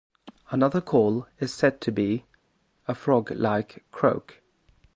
Another call is said to be a frog-like croak.